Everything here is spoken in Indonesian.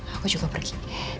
aku juga pergi